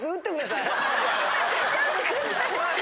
やめてください。